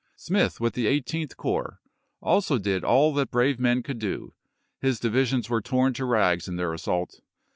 Smith, with the Eighteenth Corps, also did all that brave men could do ; his divisions were torn to rags in their assault.